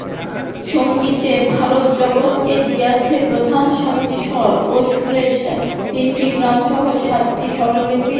সঙ্গীতে ভারত জগৎকে দিয়াছে প্রধান সাতটি স্বর এবং সুরের তিনটি গ্রাম সহ স্বরলিপি-প্রণালী।